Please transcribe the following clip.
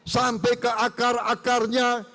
sampai ke akar akarnya